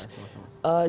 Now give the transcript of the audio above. ya terima kasih